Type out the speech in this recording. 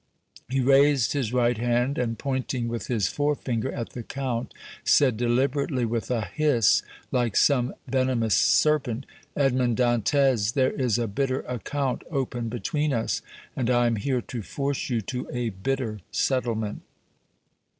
He raised his right hand, and, pointing with his forefinger at the Count, said deliberately, with a hiss like some venomous serpent: "Edmond Dantès, there is a bitter account open between us, and I am here to force you to a bitter settlement!"